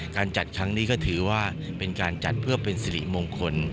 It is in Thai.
การจัดครั้งนี้ก็ถือว่าเป็นการจัดเพื่อเป็นสิริมงคล